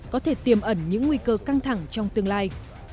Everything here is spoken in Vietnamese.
có thể tiềm ẩn những nguy cơ căng thẳng trong tương lai